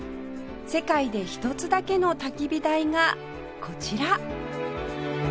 世界で一つだけの焚き火台がこちら